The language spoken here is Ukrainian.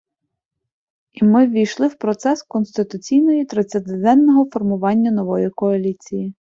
І ми ввійшли в процес конституційної тридцятиденного формування нової коаліції